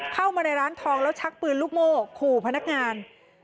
เข้ามาในร้านทองแล้วชักปืนลูกโม่ขู่พนักงาน